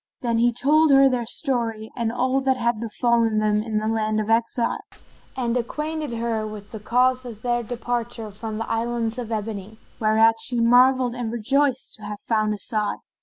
Then he told her their story and all that had befallen them in the land of exile, and acquainted her with the cause of their departure from the Islands of Ebony, whereat she marvelled and rejoiced to have found As'ad.